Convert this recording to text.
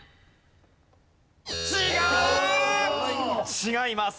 違います。